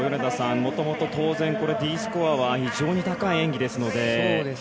もともと当然、これＤスコアは非常に高い演技ですので。